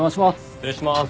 失礼します。